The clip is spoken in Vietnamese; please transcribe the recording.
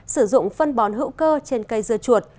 sử dụng phân bón hữu cơ trên cây dưa chuột